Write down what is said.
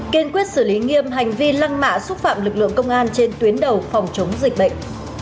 kiên quyết xử lý nghiêm hành vi lăng mạ xúc phạm lực lượng công an trên tuyến đầu phòng chống dịch bệnh